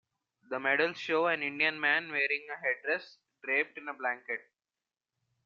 The medals show an Indian man wearing a headdress, draped in a blanket.